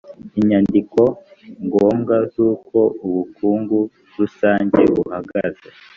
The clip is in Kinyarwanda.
inyandiko ngombwa z’uko ubukungu rusange buhagaze